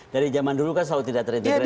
dari zaman dulu kan selalu tidak terintegrasi